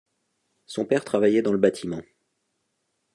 Son père travaillait dans le bâtiment.